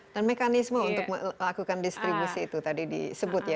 dan mekanisme untuk melakukan distribusi itu tadi disebut ya